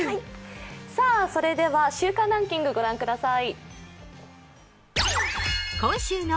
さあ、それでは週間ランキング御覧ください。